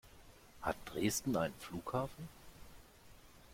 Hat Dresden einen Flughafen?